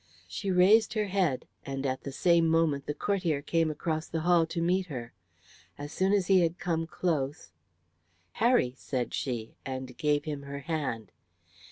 She raised her head, and at the same moment the courtier came across the hall to meet her. As soon as he had come close, "Harry," said she, and gave him her hand.